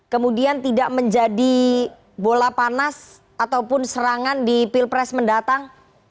kemudian tidak menjadi bola panas ataupun serangan di pilpres mendatang